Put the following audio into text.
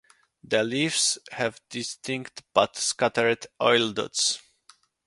The leaves have distinct but scattered oil dots.